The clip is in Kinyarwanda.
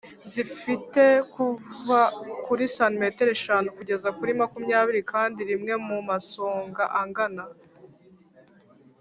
Zifite kuva kuri santimetero eshanu kugeza kuri makumyabiri kandi rimwe mu masonga angana